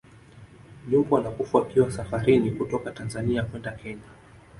nyumbu wanakufa wakiwa safarini kutoka tanzania kwenda kenya